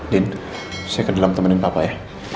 din saya ke dalam temenin papa ya